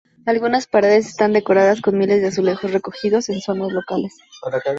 Algunas paredes están decoradas con miles de azulejos recogidos en zonas locales.